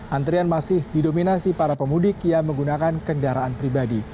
antrian masih didominasi para pemudik yang menggunakan kendaraan pribadi